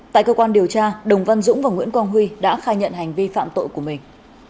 tại cơ quan điều tra đồng văn dũng và nguyễn quang huy đã khai nhận hành vi phạm tội của mình